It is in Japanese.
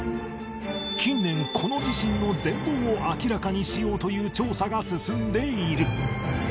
近年この地震の全貌を明らかにしようという調査が進んでいる